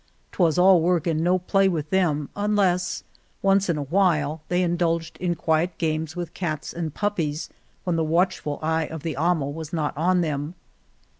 Twas 37 Argamasilla all work and no play with them unless, once in a while, they indulged in quiet games with cats and puppies when the watchful eye of the amo was not on them.